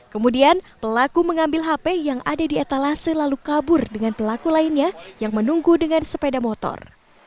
kemudian pelaku mengambil hp yang ada di etalase lalu kabur dengan pelaku lainnya yang menunggu dengan sepeda motor